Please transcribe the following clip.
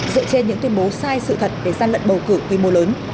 dựa trên những tuyên bố sai sự thật về gian lận bầu cử quy mô lớn